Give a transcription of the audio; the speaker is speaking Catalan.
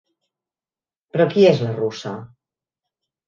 Però qui és la russa?